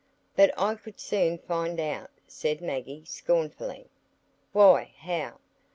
"But I could soon find out," said Maggie, scornfully. "Why, how?"